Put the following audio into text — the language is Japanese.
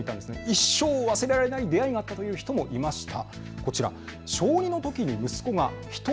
一生忘れられない出会いがあったという人もいました。